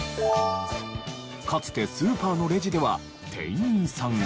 かつてスーパーのレジでは店員さんが。